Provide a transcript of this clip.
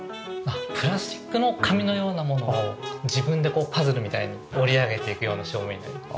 プラスチックの紙のようなものを自分でパズルみたいに織り上げていくような照明になります。